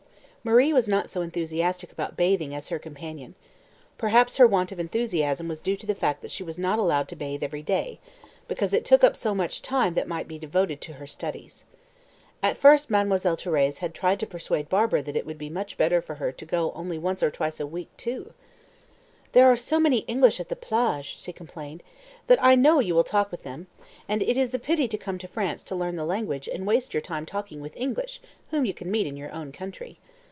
Marie was not so enthusiastic about bathing as her companion. Perhaps her want of enthusiasm was due to the fact that she was not allowed to bathe every day, because "it took up so much time that might be devoted to her studies." At first Mademoiselle Thérèse had tried to persuade Barbara that it would be much better for her to go only once or twice a week too. "There are so many English at the plage," she complained, "that I know you will talk with them; and it is a pity to come to France to learn the language and waste your time talking with English, whom you can meet in your own country."